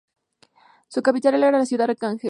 Su capital era la ciudad de Arcángel.